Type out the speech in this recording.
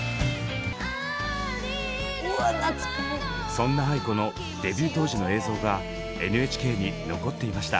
そんなａｉｋｏのデビュー当時の映像がＮＨＫに残っていました。